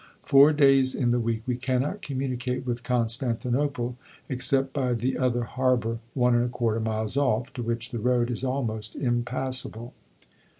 Four days in the week we cannot communicate with Constantinople, except by the other harbour, 1 1/4 miles off, to which the road is almost impassable."